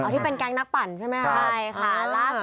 ที่เป็นแก๊งนักปั่นใช่ไหมครับ